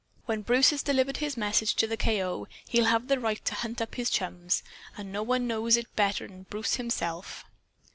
When Bruce has delivered his message to the K.O., he'll have the right to hunt up his chums. And no one knows it better'n Bruce himself."